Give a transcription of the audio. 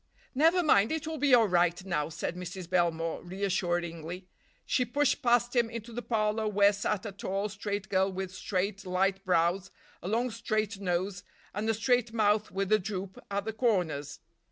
"Never mind, it will be all right now," said Mrs. Belmore reassuringly. She pushed past him into the parlor where sat a tall, straight girl with straight, light brows, a long straight nose, and a straight mouth with a droop at the corners.